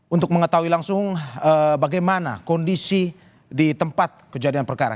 untuk mengetahui langsung bagaimana kondisi di tempat kejadian perkara